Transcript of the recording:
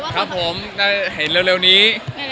ครับผมได้เห็นเร็วนี้